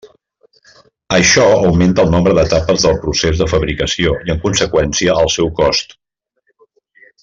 Això augmenta el nombre d'etapes del procés de fabricació i en conseqüència el seu cost.